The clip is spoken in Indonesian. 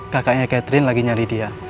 kakaknya catherine lagi nyari dia